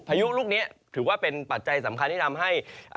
พายุลูกนี้ถือว่าเป็นปัจจัยสำคัญที่ทำให้